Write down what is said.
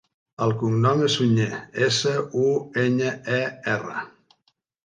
El cognom és Suñer: essa, u, enya, e, erra.